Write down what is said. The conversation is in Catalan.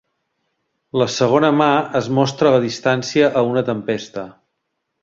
La segona mà es mostra la distància a una tempesta.